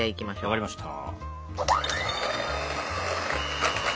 分かりました。